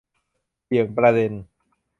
เบี่ยงประเด็น